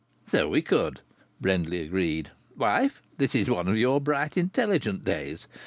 "So we could!" Brindley agreed. "Wife, this is one of your bright, intelligent days.